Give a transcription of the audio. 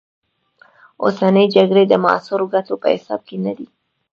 اوسنۍ جګړې د معاصرو ګټو په حساب کې نه دي.